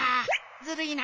ずるいな。